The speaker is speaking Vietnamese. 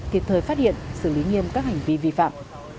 kịp thời phát hiện xử lý nghiêm các hành vi vi phạm